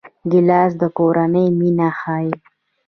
ګیلاس د کورنۍ مینه ښيي.